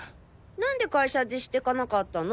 なんで会社でしてかなかったの？